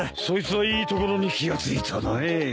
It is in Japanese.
そいつはいいところに気が付いたね。